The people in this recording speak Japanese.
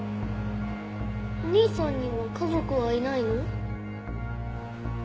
お兄さんには家族はいないの？